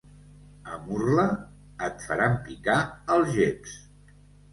A Murla? Et faran picar algeps.